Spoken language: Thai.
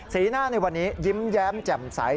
หน้าในวันนี้ยิ้มแย้มแจ่มใส